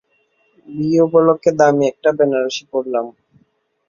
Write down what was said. বিয়ে উপলক্ষে দামি একটা বেনারসি পড়লাম।